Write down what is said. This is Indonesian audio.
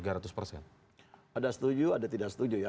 ada setuju ada tidak setuju ya